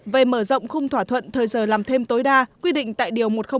về mở rộng khung thỏa thuận thời giờ làm thêm tối đa quy định tại điều một trăm linh